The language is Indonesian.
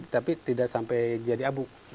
tapi tidak sampai jadi abu